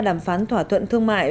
đàm phán thỏa thuận thương mại